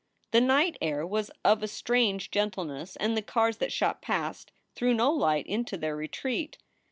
The night air was of a strange gentleness, and the cars that shot past threw no light into their retreat.